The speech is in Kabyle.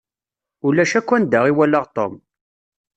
Ulac akk anda i walaɣ Tom.